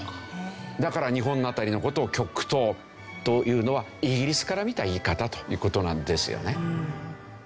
だから日本の辺りの事を極東というのはイギリスから見た言い方という事なんですよね。